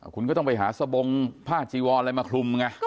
คุณก็ต้องไปหาสบงผ้าจีวรอะไรมาคลุมไง